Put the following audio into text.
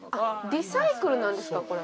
リサイクルなんですかこれ。